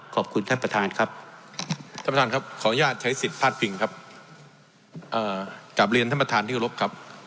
ขอบคุณท่านประทานครับ